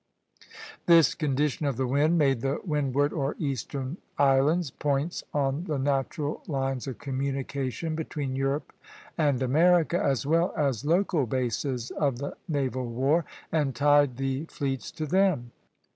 This condition of the wind made the windward, or eastern, islands points on the natural lines of communication between Europe and America, as well as local bases of the naval war, and tied the fleets to them.